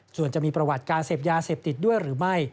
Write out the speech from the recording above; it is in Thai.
ส่วนจะมีประวัติการเสพยาเสพติดด้วยหรือไม่